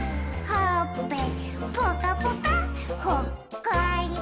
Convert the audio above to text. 「ほっぺぽかぽかほっこりぽっ」